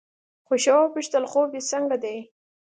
خوښه وپوښتل خوب دې څنګه دی.